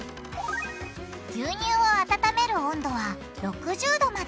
牛乳を温める温度は６０℃まで！